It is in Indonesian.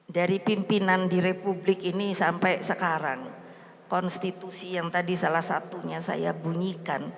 dari pimpinan di republik ini sampai sekarang konstitusi yang tadi salah satunya saya bunyikan